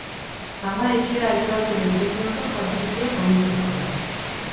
Ama etxera ailegatu bezain pronto jaten zuen ogi koxkorra.